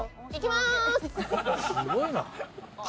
すごいな。